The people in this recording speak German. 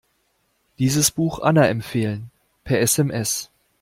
Dieses Buch Anna empfehlen, per SMS.